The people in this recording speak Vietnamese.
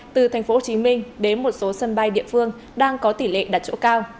từ tp hcm đến một số sân bay địa phương đang có tỷ lệ đặt chỗ cao